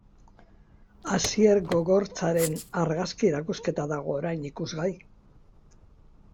Asier Gogortzaren argazki erakusketa dago orain ikusgai.